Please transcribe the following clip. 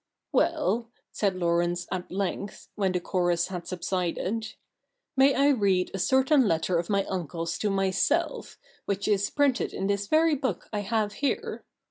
' Well,' said Laurence at length, when the chorus had subsided, ' may I read a certain letter of my uncle's to myself, which is printed in this ver}^ book I have here